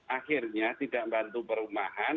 akhirnya tidak membantu perumahan